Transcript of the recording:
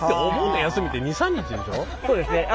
そうですね。